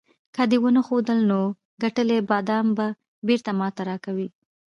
که دې ونه ښودل، نو ګټلي بادام به بیرته ماته راکوې.